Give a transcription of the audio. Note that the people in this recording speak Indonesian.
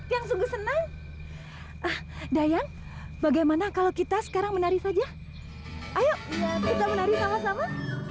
yang sungguh senang dayang bagaimana kalau kita sekarang menari saja ayo kita menari sama sama